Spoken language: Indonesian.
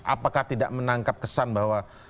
apakah tidak menangkap kesan bahwa